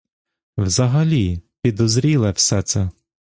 Взагалі — підозріле все це.